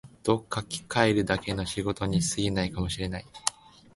と書きかえるだけの仕事に過ぎないかも知れない